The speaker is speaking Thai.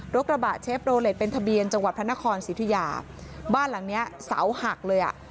กระบะเชฟโรเล็ตเป็นทะเบียนจังหวัดพระนครสิทธิยาบ้านหลังเนี้ยเสาหักเลยอ่ะ